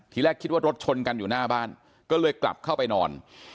แรกคิดว่ารถชนกันอยู่หน้าบ้านก็เลยกลับเข้าไปนอน